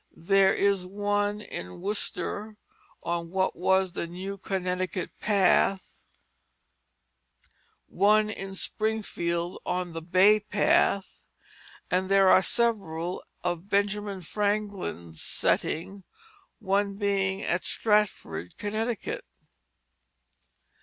There is one in Worcester, on what was the "New Connecticut Path"; one in Springfield on the "Bay Path," and there are several of Benjamin Franklin's setting, one being at Stratford, Connecticut.